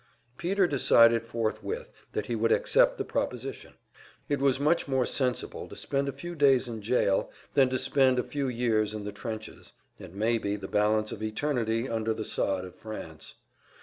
Peter decided forthwith that he would accept the proposition. It was much more sensible to spend a few days in jail than to spend a few years in the trenches, and maybe the balance of eternity under the sod of France.